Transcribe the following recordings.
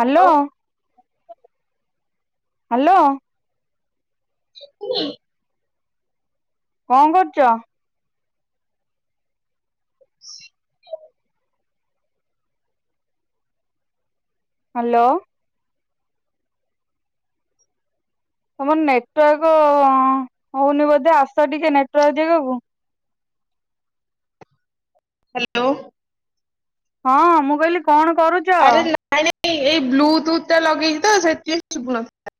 Hello hello hello. [unintelligible] କଣ କରୁଚ? Hello. ତମର ନେଟୱାର୍କ ହଉନି ବୋଧେ ଆସ ଟିକେ ନେଟୱାର୍କ ଜେଗାକୁ। ହ୍ୟାଲୋ। ହଁ ମୁଁ କହିଲି କଣ କରୁଚ? ଆରେ ନାଇଁ ନାଇଁ ଏଇ ବ୍ଲୁ ଟୁଥ ଟା ଲଗେଇଚି ତ ସେଇଥିପାଇଁ ଶୁୁଭୁନ ନଥିଲା।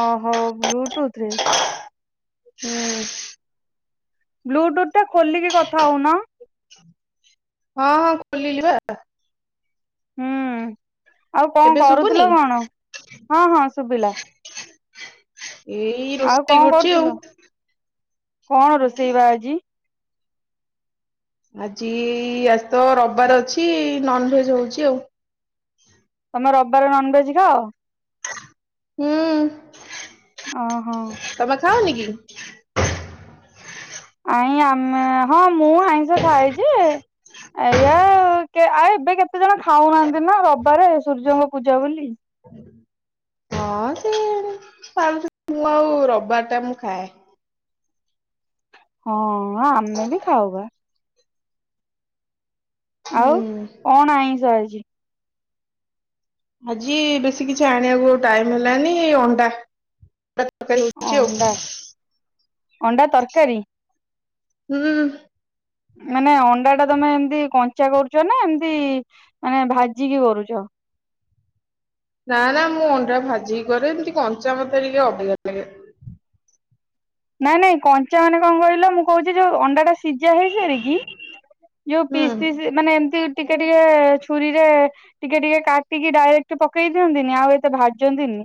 ଓହୋ, ବ୍ଲୁଟୁଥ ରେ? ହୁଁ। ବ୍ଲୁଟୁଥ ଟା ଖୋଲିକି କଥା ହଉନ। ହଁ ହଁ ଖୋଲିଲି ବା। ହୁଁ, ଆଉ କଣ ଏବେ ଶୁଭୁନି କରୁଥିଲ କଣ? ହଁ ହଁ ଶୁଭିଲା। ଏଇ ଆଉ ରୋଷେଇ କଣ କରୁଛି ଆଉ। କରୁଥିଲ? କଣ ରୋଷେଇ ବା ଆଜି? ଆଜି, ଆଜି ତ ରବିବାର ଅଛି ନନ୍‌ଭେଜ ହଉଚି ଆଉ। ତମେ ରବିବାରେ ନନ୍‌ଭେଜ ଖାଅ? ହୁଁ। ଅଁ ହ। ତମେ ଖାଅନି କି? ନାଇ ଆମେ, ହଁ ମୁଁ ଆଇଁଷ ଖାଏ ଯେ ଏଇଆ ଆଉ, ଏବେ କେତେ ଜଣ ଖାଉନାହାନ୍ତି ନା ରବିବାରେ ସୂର୍ଯ୍ୟଙ୍କ ପୂଜା ବୋଲି। [inaudible] ହଁ ସେ ପାଳୁଛନ୍ତି ମୁଁ ଆଉ ରବିବାର ଟା ମୁଁ ଖାଏ। ହଁ ଆମେ ବି ଖାଉ ବା। ଆଉ ହୁଁ। କଣ ଆଇଁଷ ଆଜି? ଆଜି ବେଶୀ କିଛି ଆଣିଆକୁ ଟାଇମ୍ ହେଲାନି ଅଣ୍ଡା। ଅଣ୍ଡା ତରକାରୀ ହେଇଚି ଆଉ। ଅଣ୍ଡା ଅଣ୍ଡା ତରକାରୀ? ହୁଁ। ମାନେ ଅଣ୍ଡା ଟା ତମେ ଏମତି କଞ୍ଚା କରୁଚ ନା ଏମତି ମାନେ ଭାଜିକି କରୁଛ? ନା ନା ମୁଁ ଅଣ୍ଡା ଭାଜିିକି କରେ ଏମିତି କଞ୍ଚା ମତେ ଟିକେ ଅବଗିଆ ଲାଗେ। ନାଇଁ ନାଇଁ କଞ୍ଚା ମାନେ କଣ କହିଲ ମୁଁ କହୁଚି ଯୋଉ ଅଣ୍ଡା ଟା ସିଝା ହେଇସାରିକି ଯୋଉ ପିସ୍ ହୁଁ। ପିସ୍ ମାନେ ଏମତି ଟିକେ ଟିକେ ଛୁରୀରେ ଟିକେ ଟିକେ କାଟିକି ଡାଇରେକ୍ଟ ପକେଇ ଦିଅନ୍ତିନି ଆଉ ଏତେ ଭାଜନ୍ତିନି।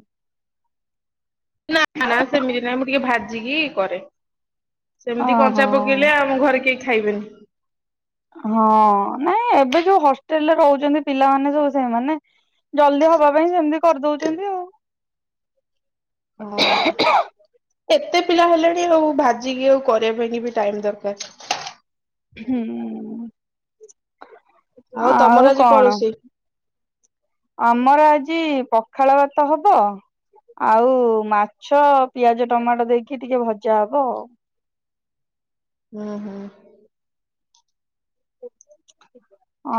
ନା ନା ସେମିତି ନାଇଁ ମୁଁ ଟିକେ ଭାଜିକି କରେ। ସେମିତି ଓହୋ କଞ୍ଚା ପକେଇଲେ ଆଉ ଆମ ଘରେ କେହି ଖାଇବେନି। ହଁ ନାଇଁ ଏବେ ଯୋଉ ହଷ୍ଟେଲ ରେ ରହୁଛନ୍ତି ପିଲାମାନେ ସବୁ ସେମାନେ। ଜଲଦି ହବା ପାଇଁ ସେମିତି କରିଦଉଛନ୍ତି ଆଉ। ହଁ। ଏତେ ପିଲା ହେଲାଣି ଆଉ ଭାଜିକି ଆଉ କରିବା ପାଇଁ ବି ଟାଇମ୍ ଦରକାର। ହୁଁ ତମର ଆଉ ଆଜି କଣ? ରୋଷେଇ? ଆମର ଆଜି ପଖାଳ ଭାତ ହବ। ଆଉ ମାଛ ପିଆଜ ଟମାଟୋ ଦେଇକି ଟିକେ ଭଜା ହବ। ହୁଁ ହୁଁ। [unintelligible]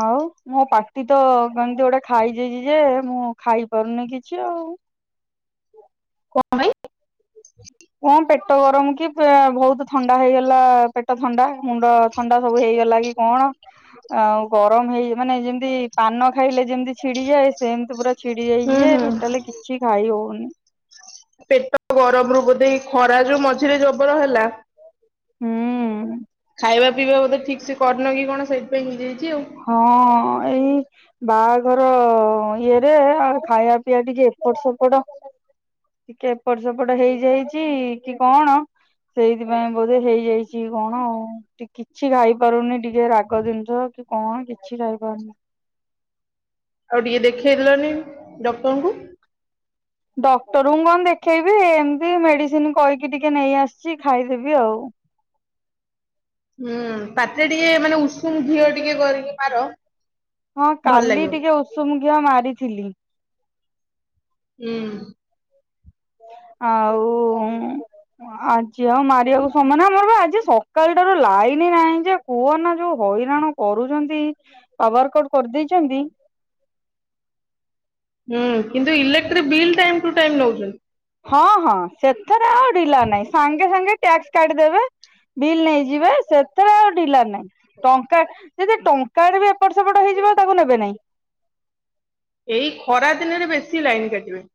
ଆଉ ମୋ ପାଟି ତ କେମିତି ଗୋଟେ ଖାଇଯାଇଛି ଯେ ମୁଁ ଖାଇ ପାରୁନି କିଛି ଆଉ। କଣ ପାଇଁ? କଣ ପେଟ ଗରମ କି ବୋହୁତ୍ ଥଣ୍ଡା ହେଇଗଲା ପେଟ ଥଣ୍ଡା ମୁଣ୍ଡ ଥଣ୍ଡା ସବୁ ହେଇଗଲା କି କଣ? ଆଉ ଗରମ ହେଇ ମାନେ ଯେମତି ପାନ ଖାଇଲେ ଯେମିତି ଛିଡିଯାଏ ସେମତି ପୁରା ଛିଡି ହୁଁ ଯାଇଛି ଯେ ହୁଁ ଟୋଟାଲି କିଛି ଖାଇ ହଉନି। ମୋ ପେଟ ଗରମ ରୁ ବୋଧେ ଖରା ଯୋଉ ମଝିରେ ଜବର ହେଲା। ହୁଁ। ଖାଇବା ପିଇବା ବୋଧେ ଠିକ୍ ସେ କରିନ କି କଣ ସେଇଥିପାଇଁ ହେଇଯାଇଛି ଆଉ। ହଁ ଏଇ ବାହାଘର ଇଏରେ ଆଉ ଖାଇବା ପିଇବା ଟିକେ ଏପଟ ସେପଟ ଟିକେ ଏପଟ ସେପଟ ହେଇଯାଇଛି କି କଣ ସେଇଥିପାଇଁ ବୋଧେ ହେଇଯାଇଛି କଣ ଆଉ ଟିକେ କିଛି ଖାଇ ପାରୁନି ଟିକେ ରାଗ ଜିନିଷ କି କଣ କିଛି ଖାଇପାରୁନି। ଆଉ ଟିକେ ଦେଖେଇ ଦେଲନି ଡକ୍ଟରଙ୍କୁ। ଡକ୍ଟରଙ୍କୁ କଣ ଦେଖେଇବି ଏମତି ମେଡିସିନ କହିକି ଟିକେ ନେଇ ଆସିଛି ଖାଇଦେବି ଆଉ। ହୁଁ ପାଟିରେ ଟିକେ ମାନେ ଉଷୁମ ଘିଅ ଟିକେ କରିକି ମାର। ହଁ ଭଲ କାଲି ଲାଗିବ। ଟିକେ ଉଷୁମ ଘିଅ ମାରିଥିଲି। ହୁଁ। ଆଉ ଆଜି ଆଉ ମାରିବାକୁ ସମୟ ନାହିଁ ଆମର ବା ଆଜି ସ କାଲି ଠାରୁ ଲାଇନି ନାହିଁ ଯେ କୁହନା ଯୋଉ ହଇରାଣ କରୁଛନ୍ତି। ପାୱାର କଟ କରିଦେଇଛନ୍ତି। ହୁଁ କିନ୍ତୁ ଇଲେକ୍ଟ୍ରିକ ବିଲ୍ ଟାଇମ୍ ଠୁ ଟାଇମ୍ ନେଉଛନ୍ତି। ହଁ ହଁ ସେଥରେ ଆଉ ଢ଼ିଲା ନାହିଁ ସାଙ୍ଗେ ସାଙ୍ଗେ ଟ୍ୟାକ୍ସ କାଟିଦେବେ। ବିଲ୍ ନେଇଯିବେ ସେଥିରେ ଆଉ ଢିଲା ନାଇଁ। ଟଙ୍କା ଯଦି ଟଙ୍କାଡ ବି ଏପଟ ସେପଟ ହେଇଯିବ ତାକୁ ନେବେ ନାହିଁ। ଏଇ ଖରା ଦିନରେ ବେଶୀ ଲାଇନ୍ କାଟିବେ।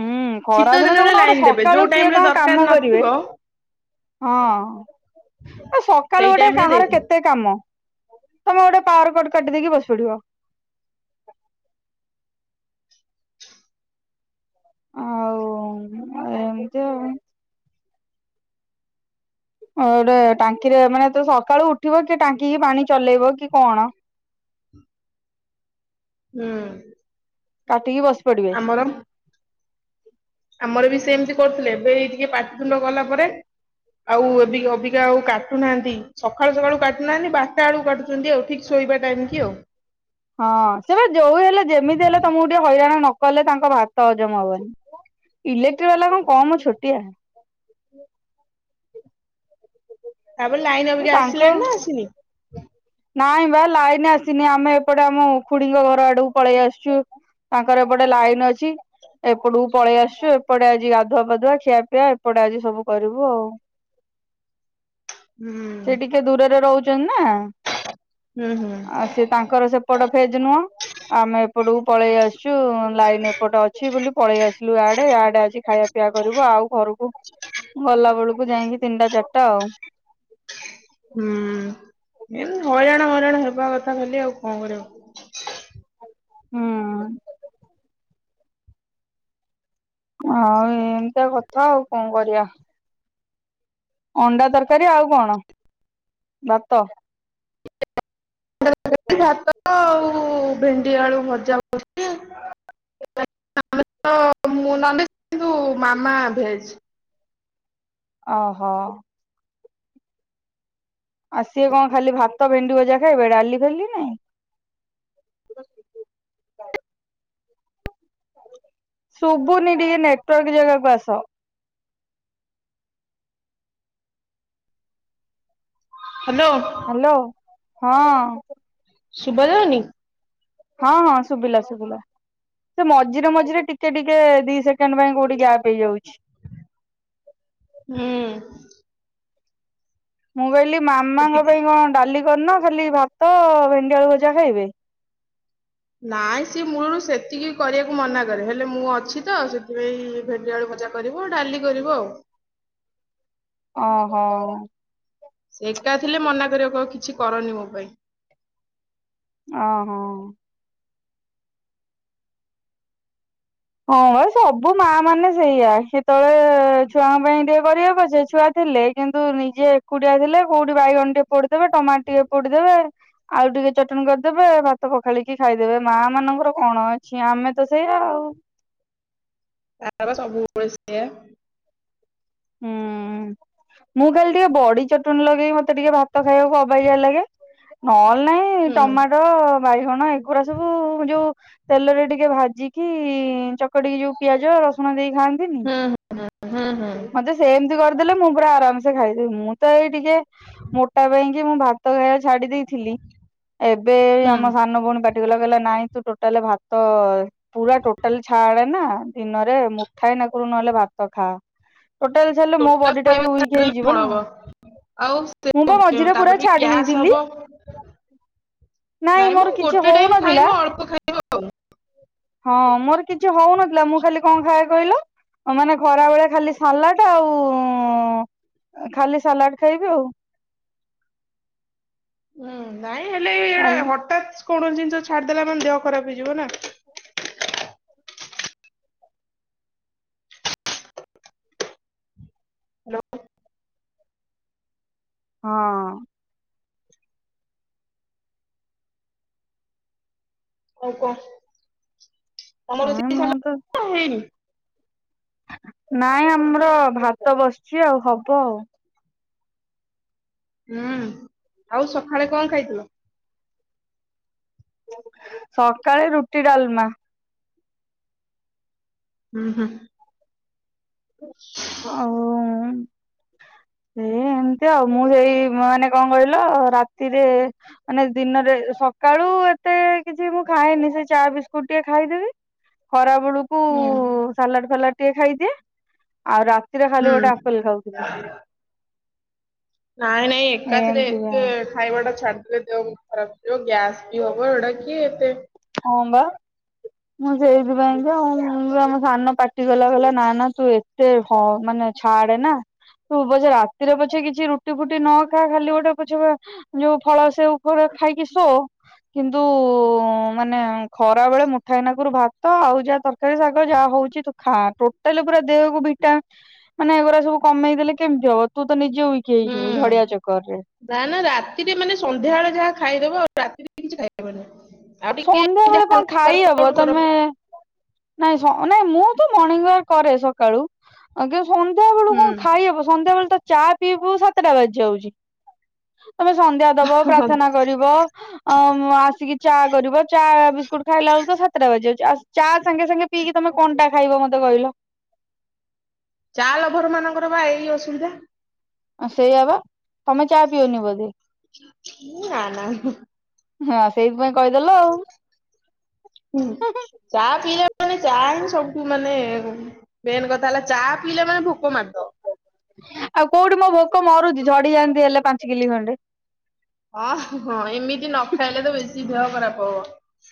ଉୁଁ ଶୀତ ଖରାଦିନ ଦିନରେ ଦେଖୁନ ଗୋଟେ ଲାଇନ ଦେବେ ଯୋଉ ସକାଳୁ ଟାଇମ କିଏ ରେ କଣ ଦରକାର କାମ ନଥିବ କରିବେ। ହଁ ଆ ସେଇ ସକାଳୁ ଗୋଟେ ଟାଇମ ରେ କାହାର ଦେଇଥିବେ। କେତେ କାମ ତମେ ଗୋଟେ ପାୱାର କଟ କାଟିଦେଇକି ବସି ପଡିବ। ଆଉ, ଆଉ ଏମିତି ଆଉ। ଆଉ ଗୋଟେ ଟାଙ୍କିରେ ମାନେ ତୁ ସକାଳୁ ଉଠିବ କି ଟାଙ୍କିକି ପାଣି ଚଲେଇବ କି କଣ ହୁଁ। କାଟିକି ବସି ପଡିବେ। ଆମର ଆମର ବି ସେମିତି କରୁଥିଲେ ଏବେ ଏଇ ଟିକେ ପାଟିିତୁଣ୍ଡ ଗଲା ପରେ? ଆଉ ଏ [unintelligible] ଅବିକା ଆଉ କାଟୁନାହାନ୍ତି ସକାଳୁ ସକାଳୁ କାଟୁନାହାନ୍ତି ବାରଟା ବେଳକୁ କାଟୁଛନ୍ତି ଆଉ ଠିକ। ଶୋଇବା ଟାଇମ କି ଆଉ। ହଁ ସେ ବା ଯୋଉ ହେଲେ ଯେମିତି ହେଲେ ତମକୁ ଟିକେ ହଇରାଣ ନକଲେ ତାଙ୍କ ଭାତ ହଜମ ହବନି। ଇଲେକ୍ଟ୍ରିକ ବାଲା କଣ କମ ଛୋଟିଆ? ତାପରେ ଲାଇନି ଅବିକା ତାଙ୍କ ଆସିଲାଣି ନା ଆସିନି? ନାଇଁ ବା ଲାଇନି ଆସିନି ଆମେ ଏପଟେ ଆମ ଖୁଡିଙ୍କ ଘର ଆଡକୁ ପଳି ଆସିଛୁ। ତାଙ୍କର ଏପଟେ ଲାଇନି ଅଛି। ଏପଟକୁ ପଳେଇ ଆସଛୁ ଏପଟେ ଆଜି ଗାଧୁଆ ପାଧୁଆ ଖିଆ ପିଆ ଏପଟେ ଆଜି ସବୁ କରିବୁ ଆଉ। ହୁଁ ସେ ଟିକେ ଦୂରରେ ରହୁଛନ୍ତି ନା। ହୁଁ ହୁଁ। ଆଉ ସେ ତାଙ୍କର ସେପଟ ଫେଜେ ନୁହଁ। ଆମେ ଏପଟକୁ ପଳେଇ ଆସିଛୁ ଲାଇନ ଏପଟେ ଅଛି ବୋଲି ପଳେଇ ଆସିଲୁ ଏଆଡେ ଏଆଡେ ଆଜି ଖାଇବା। ଶୁଖିଲା କରିବୁ ଆଉ ଘରକୁ ଗଲା ବେଳକୁ ଯାଇକି ତିନିଟା ଚାରଟା ଆଉ। ହୁଁ ଏ ହଇରାଣ ହଇରାଣ ହେବା କଥା ଖାଲି ଆଉ କଣ କରିବା। ହୁଁ। ଆଉ ଏମିତି କଥା ଆଉ କଣ କରିବା। ଅଣ୍ଡା ତକାରୀ ଆଉ କଣ ଭାତ। ଏଠି ଭାତ ଆଉ ଭେଣ୍ଡି ଆଳୁ ଭଜା ବସିଛି। [unintelligible] ମୁଁ ନନଭେଜ୍ କିନ୍ତୁ ମାମା ଭେଜ୍। ଅ ହୋ। ଆଉ ସିଏ କଣ ଖାଲି ଭାତ ଭେଣ୍ଡି ଭଜା ଖାଇବେ ଡାଲି ଫାଲି ନାଇଁ। ଶୁଭୁନି ଟିକେ ନେଟୱାର୍କ ଜାଗାକୁ ଆସ। ହ୍ୟାଲୋ। ହ୍ୟାଲୋ ହଁ। ଶୁଭା ଯାଉନି। ହଁ ହଁ ଶୁଭିଲା ଶୁଭିଲା। ସେ ମଝିରେ ମଝିରେ ଟିକେ ଟିକେ ଦି ସେକେଣ୍ଡ ପାଇଁ କୋଉଠି ଗ୍ୟାପ୍ ହେଇଯାଉଛି। ହୁଁ। ମୁଁ କହିଲି ମାମାଙ୍କ ଟିକେ ପାଇଁ କଣ ଡାଲି କରିନା ଖାଲି ଭାତ ଭେଣ୍ଡି ଆଳୁ ଭଜା ଖାଇବେ। ନାଇଁ ସିଏ ମୂଳରୁ ସେତିକି କରିବାକୁ ମନା କରେ ହେଲେ ମୁଁ ଅଛି ତ ସେଥିପାଇଁ ଭେଣ୍ଡିଆଳୁ ଭଜା। କରିବୁ ଡାଲି କରିବ ଆଉ। ଓହୋ। ସେ ଏକା ଥିଲେ ମନା କରିବ କିଛି କରନି ମୋ ପାଇଁ। ଓହୋ। ହଁ ପା ସବୁ ମା ମାନେ ସେଇଆ ସେତେବେଳେ ଛୁଆଙ୍କ ପାଇଁ ଟିକେ କରିବେ ପଛେ ଛୁଆ ଥିଲେ। କିନ୍ତୁ ନିଜେ ଏକୁଟିଆ ଥିଲେ କୋଉଠି ବାଇଗଣ ଟିକେ ପୋଡିଦେବେ ଟମାଟୁ ଟିକେ ପୋଡିଦେବେ। ଆଉ ଟିକେ ଚଟଣି କରିଦେବେ ଭାତ ପଖାଳିକି ଖାଇଦେବେ ମା ମାନଙ୍କର କଣ ଅଛି ଆମେ ତ ସେଇଆ ଆଉ। ତାର ତ ସବୁବେଳେ ସେଇଆ। ହୁଁ ମୁଁ ଖାଲି ଟିକେ ବଡି ଚଟଣି ଲଗେଇ ମତେ ଟିକେ ଭାତ ଖାଇବାକୁ ଅବ। ଆବେଗ୍ୟ ଲାଗେ ନହେଲେ ନାହିଁ ହୁଁ। ଟମାଟୋ ବାଇଗଣ ଏଗୁୁରା ସବୁ ଯୋଉ। ତେଲରେ ଟିକେ ଭାଜିକି ଚକଟିକି ଯୋଉ ପିଆଜ ରସୁଣ ଦେଇ ଖାଆନ୍ତିନି। ହୁଁ ହୁଁ ହୁଁ ହୁଁ। ମତେ ସେମିତି କରିଦେଲେ ମୁଁ ପୁରା ଆରାମସେ ଖାଇଦେବି ମୁଁ ତ ଏଇ ଟିକେ ମୋଟା ପାଇଁ। ଯେ ମୁଁ ଭାତ ଖାଇବା ଛାଡି ଦେଇଥିଲି ଏବେ ହୁଁ ଆମ ସାନ ଭଉଣୀ ପାଖେ ସେ କହିଲା କହିଲା ନାଇଁ ତୁ ଟୋଟାଲ ଭାତ। ପୁରା ଟୋଟାଲ ଛାଡେ ନା ଦିନରେ ମୁଠାଏ ନାକୁରୁ ନହେଲେ ଭାତ ଖା। ଟୋଟାଲ ଛାଡିଲେ ମୋ ଟୋଟାଲ ବଡି ଟା ଖାଇବା ବି ୱିକ୍ ଛାଡିଦେଲେ କଣ ହେଇଯିବନା। ହବ। ଆଉ ସେ ମୁଁ ପା ମଝିରେ ତାପରେ ପୁରା ବି ଛାଡି ଗ୍ୟାସ୍ ଦେଇଥିଲି। ହବ ନାଇଁ ମ ମୋର କିଛି ଗୋଟେ ଟାଇମ ହଉନଥିଲା। ଖାଇବ ଅଳ୍ପ ଖାଇ ହଁ ମୋର କିଛି ହଉନଥିଲା ମୁଁ ଖାଲି କ ଖାଏ କହିଲ। ଅ ମାନେ ଖରାବେଳେ ଖାଲି ସାଲାଟ ଆଉଁ ଏ ଖାଲି ସାଲାଟ ଖାଇବି ଆଉ। ଉଁ ନାଇଁ ହେଲେ ଏଇ ଗୁଡା ଖାଲି ହଠାତ କୌଣସି ଜିନିଷ ଛାଡିଦେଲା ମାନେ ଦେହ ଖରାପ ହେଇଯିବ ନା। ହାଲୋ। ହଁ। ଆଉ କ ଆ ତମର ମୁଁ [unintelligible] ତ ନା ହେଇନି। ନାଇଁ ଆମର ଭାତ ବସିଚି ଆଉ ହବ ଆଉ। ହୁଁ ଆଉ ସକାଳେ କଁ ଖାଇଥିଲ? ସକାଳେ ରୁଟି, ଡାଲମା। ଉଁ ହୁଁ। ଆଉଁ। ସେଇ ଏମିତି ଆଉ ମୁଁ ସେଇ ମାନେ କଁ କହିଲ ରାତିରେ। ମାନେ ଦିନରେ ସକାଳୁ ଏତେ କିଛି ମୁଁ ଖାଏନି ସେଇ ଚା, ବିସ୍କୁଟ ଟିକେ ଖାଇଦେବି। ଖରା ବେଳୁକୁ। ଉଁ ହୁଁ। ସାଲାଡ ଫାଲାଡ ଟିକେ ଖାଇଦିଏ ଆଉ ରାତିରେ ଖାଲି ହୁଁ। ଗୋଟେ ଆପେଲ ଖାଉଥିଲି। ନାଇଁ ନାଇଁ ଏକାଥରେ ଏମିତିକା ଏତେ। ଖାଇବା ଟା ଛାଡିଦେବେ ଦେହ ଖରାପ ହବ୍ ଗ୍ୟାସ ବି ହବ ଏଇଟା କିଏ ଏତେ। ହଁ ବା। ମୁଁ ସେଇଥିପାଇଁ ତ ଆଉ ବି ଆମ ସାନ ପାଟି କଲା କହିଲା ନାଁ ନାଁ ତୁ ଏ ତେ ହ ମାନେ ଛାଡ଼େ ନା। ତୁ ପଛେ ରାତିରେ ପଛେ କିଛି ରୁଟି ଫୁଟି ନ ଖା ଖାଲି ଗୋଟେ ପଛେ ଯୋଉ ଫଳ ସେଉ ଫଳ ଖାଇକି ଶୋ କିନ୍ତୁ। ମାନେ ଖରା ବେଳେ ମୁଠାଏ ନାକୁରୁ ଭାତ ଆଉ ଯାହା ତରକାରୀ, ଶାଗ ଯାହା ହଉଚି ତୁ ଖା ଟୋ ଟାଲ ପୁରା ଦେହକୁ ଭିଟା ମାନେ ଏଗୁଡା ସବୁ କମେଇ ଦେଲେ କେମିତି ହବ ତୁ ତ ନିଜେ ୱି କି ହେଇଯିବୁ ଝଡିଆ ଚକର୍ ରେ। ନାଁ ନାଁ ରାତିରେ ମାନେ ସନ୍ଧ୍ୟାବେଳେ ଯାହା ଖାଇଦବ ଆଉ ରାତିରେ କିଛି ଖାଇବନି। ଆଉ ସନ୍ଧ୍ୟା ଟିକେ ବେଳେ କଁ ହାଲକା ୱାର୍କ ଖାଇ ଆଉଟ ହବ କର। ତମେ। ନାଇଁ ସ ନା ମୁଁ ତ ମର୍ଣ୍ଣିଙ୍ଗ ୱାକ୍ କରେ ସକାଳୁ। ଆଜ୍ଞା ସନ୍ଧ୍ୟା ବେଳୁ ହୁଁ। କଁ ଖାଇ ହବ ସନ୍ଧ୍ୟା ବେଳୁ ତ ଚା ପିଉ ପିଉ ସାତଟା ବାଜି ଯାଉଚି। ତମେ ସନ୍ଧ୍ୟା ଦବ ହଁ ହଁ ପ୍ରାର୍ଥନା କରିବ ଅମ ଆସିକି ଚା କରିବ ଚା ବି କୁଟ୍ ଖାଇଲା ବେଳୁ ତ ସାତଟା ବାଜିଯାଉଚି ଆ ଚା ସାଙ୍ଗେ ସାଙ୍ଗେ ପିଇକି ତମେ କଣ ଟା ଖାଇବ ମତେ କହିଲ? ଚା ଲଭର୍ ମାନଙ୍କର ବା ଏଇ ଅସୁବିଧା। ଆଁ ସେୟା ବା ତମେ ଚା ପିଅନି ବୋଧେ? ମୁଁ ନା ନା ହୁଁ। ହଁ ସେଇଥିପାଇଁ କହିଦେଲ ଆଉ। ଉଁ ଚା ପିଇଲା ମାନେ ଚା ହିଁ ସବୁଠୁ ମାନେ। ମେନ୍ କଥା ହେଲା ଚା ପିଇଲା ମାନେ ଭୋକ ମାଦ ଆଉ କୋଉଠି ମୋ ଭୋକ ମରୁଚି ଝଡି ଯାଆନ୍ତି ହେଲେ ପାଞ୍ଚ୍ କିଲେ ଖଣ୍ଡେ। ହଁ ହଁ ହଁ ଏମିତି ନ ଖାଇଲେ ତ ବେଶୀ ଦେହ ଖରାପ ହବ।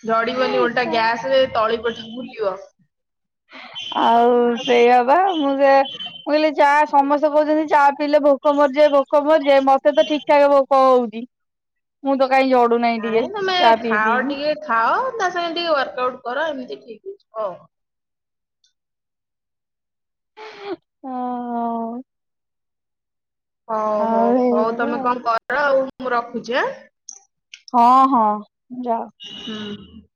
ଝଡିବନି ଓଲ୍ଟା ଗ୍ୟାସ୍ ରେ ତଳି ପଟୁରୁ ବୁଲିବ। ଆଉ ସେୟା ବା ମୁଁ ସେୟା ମୁଁ କଇଲି ଚା ସମସ୍ତେ କୋଉଚନ୍ତି ଚା ପିଲେ ଭୋକ ମର୍ଯାଏ ଭୋକ ମର୍ଯାଏ ମତେ ତ ଠିକ୍ ଠାକ୍ ଭୋକ ହୋଉଚି ମୁଁ ତ କାଇଁ ଝଡୁନେଇଁ? ନାଇଁ ତମେ ଖାଅ ଟିକେ ଖାଅ ତା ସାଙ୍ଗେ ଟିକେ ୱାର୍କ ଆଉଟ୍ କର ଏମିତି ଠିକ୍ ହେଇଯିବ। ଉଁ ହଁ ହଁ। ହଉ ହୋଉ ଆଉ ହୋଉ ତମେ ଏଇଭଳିଆ ଆଉ। କଣ୍ କର ଆଉ ମୁଁ ରଖୁଚି ଆଁ? ହଁ ହଁ ଯାଅ। ହୁଁ।